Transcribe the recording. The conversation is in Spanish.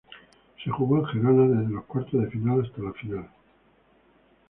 Se jugó en Gerona desde los cuartos de final hasta la final.